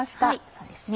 そうですね。